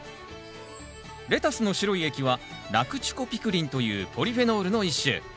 レタスの白い液はラクチュコピクリンというポリフェノールの一種。